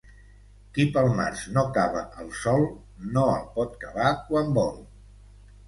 Qui pel març no cava el sòl, no el pot cavar quan vol.